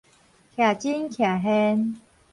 徛真徛現